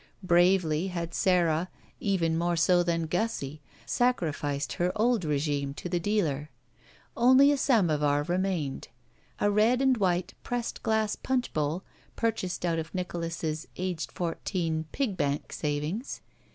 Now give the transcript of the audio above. Bravely had Sara, even more so than Gussie, sacrificed her old regime to the dealer. Only a samovar remained. A red and white pressed glass punch bowl, purchased out of Nicholas's — aged fourteen — pig bank savings.